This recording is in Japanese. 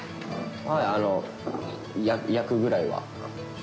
はいあの焼くぐらいは。